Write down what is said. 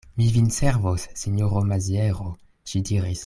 Mi vin servos, sinjoro Maziero, ŝi diris.